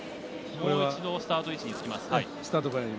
もう一度スタート位置につきます。